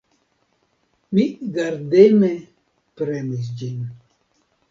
Mi gardeme premis ĝin.